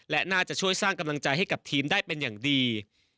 และน่าจะช่วยสร้างกำลังใจให้กับทีมได้เป็นอย่างดี